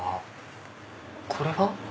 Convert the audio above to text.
これは？